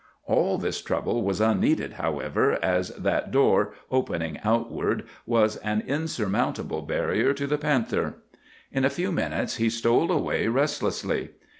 "All this trouble was unneeded, however, as that door, opening outward, was an insurmountable barrier to the panther. "In a few minutes he stole away restlessly.